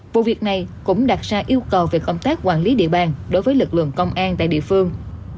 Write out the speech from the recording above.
vụ việc này cũng đặt ra yêu cầu về công tác quản lý địa bàn đối với lực lượng công an tại địa phương